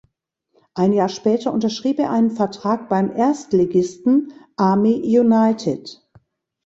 Ein Jahr später unterschrieb er einen Vertrag beim Erstligisten Army United.